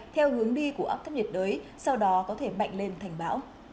theo hướng đi của áp thấp nhiệt đới sau đó có thể mạnh lên thành bão